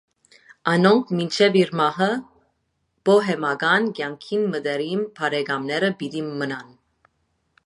Անոնք մինչեւ իր մահը, պոհեմական կեանքին մտերիմ բարեկամները պիտի մնան։